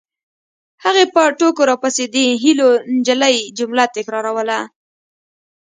هغې به په ټوکو راپسې د هیلو نجلۍ جمله تکراروله